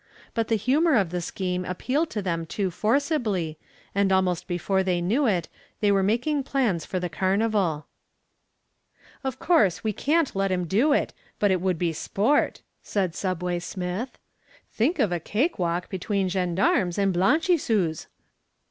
But the humor of the scheme appealed to them too forcibly, and almost before they knew it they were making plans for the carnival. "Of course we can't let him do it, but it would be sport," said "Subway" Smith. "Think of a cake walk between gendarmes and blanchiseuses."